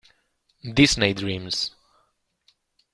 Disney Dreams!